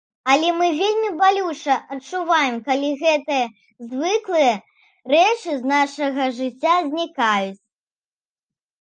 Але мы вельмі балюча адчуваем, калі гэтыя звыклыя рэчы з нашага жыцця знікаюць.